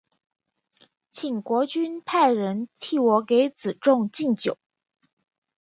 请国君派人替我给子重进酒。